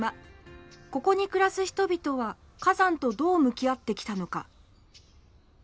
ここに暮らす人々は火山とどう向き合ってきたのか。